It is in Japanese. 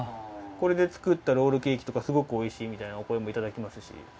これで作ったロールケーキとかすごくおいしいみたいなお声も。